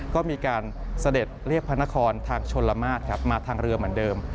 ก็มีการเสด็จเรียกพระนครทางชนละมาตรครับมาทางเรือเหมือนเดิม